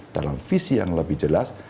dalam visi yang lebih jelas